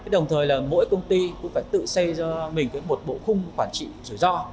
đồng thời mỗi công ty cũng phải tự xây ra một bộ khung quản trị rủi ro